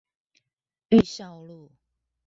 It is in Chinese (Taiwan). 裕孝路